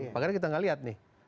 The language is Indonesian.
pagar kita tidak lihat nih